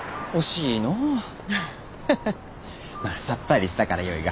まあさっぱりしたからよいが。